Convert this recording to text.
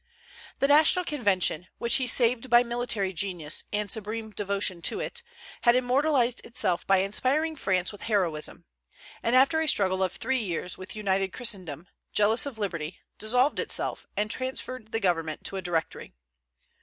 The National Convention, which he saved by military genius and supreme devotion to it, had immortalized itself by inspiring France with heroism; and after a struggle of three years with united Christendom, jealous of liberty, dissolved itself, and transferred the government to a Directory.